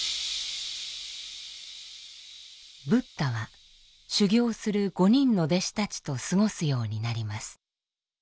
ブッダは修行する５人の弟子たちと過ごすようになります。